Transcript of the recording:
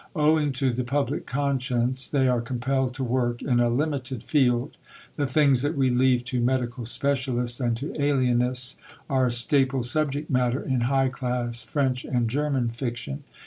Owing to the public conscience, they are compelled to work in a limited field. The things that we leave to medical specialists and to alienists are staple subject matter in high class French and German fiction.